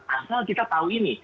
asal kita tahu ini